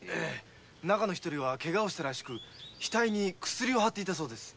中の一人はケガをしたらしく額に薬をはっていたそうです。